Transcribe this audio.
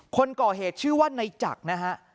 คนก่อเหตุชื่อว่าในจักรนะฮะ